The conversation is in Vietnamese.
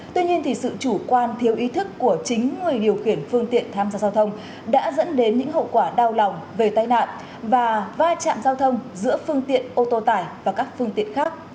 tuy nhiên sự chủ quan thiếu ý thức của chính người điều khiển phương tiện tham gia giao thông đã dẫn đến những hậu quả đau lòng về tai nạn và va chạm giao thông giữa phương tiện ô tô tải và các phương tiện khác